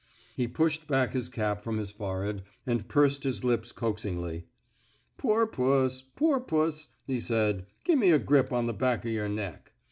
He pushed back his cap from his fore head, and pursed his lips coaxingly. '* Poor puss, poor puss," he said. Gimme a grip on the back o' yer neck.